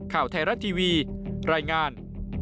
ข่าวแทรศ์ทีวีรายงาน